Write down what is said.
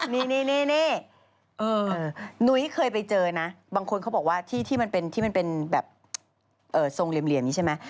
นี่นุ้ยเคยไปเจอนะบางคนเขาบอกว่าที่มันเป็นแบบทรงเหลี่ยมนี่ใช่ไหม